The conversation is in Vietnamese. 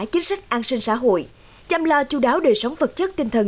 chính sách an sinh xã hội chăm lo chú đáo đời sống vật chất tinh thần